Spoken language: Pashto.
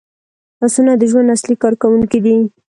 لاسونه د ژوند اصلي کارکوونکي دي